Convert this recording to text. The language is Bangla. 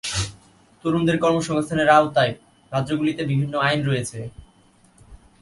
তরুণদের কর্মসংস্থানের আওতায় রাজ্যগুলিতে বিভিন্ন আইন রয়েছে।